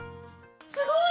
すごい！